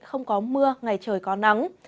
không có mưa ngày trời có nắng